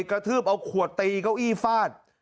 กระทืบเอาขวดตีเก้าอี้ฟาด